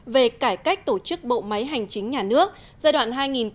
về cải cách tổ chức bộ máy hành chính nhà nước giai đoạn hai nghìn một mươi một hai nghìn một mươi sáu